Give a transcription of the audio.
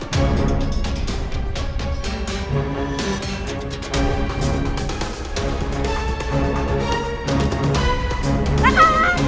selama ini aku cuma